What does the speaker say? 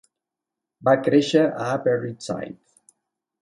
Va créixer a l'Upper East Side.